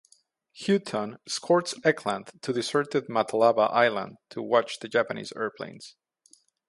Houghton escorts Eckland to deserted Matalava Island to watch for Japanese airplanes.